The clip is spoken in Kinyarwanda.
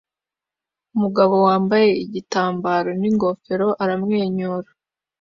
Umugabo wambaye igitambaro n'ingofero aramwenyura